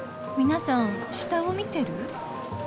皆さん下を見てる？